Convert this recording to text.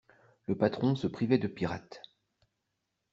Le patron se privait de pirates.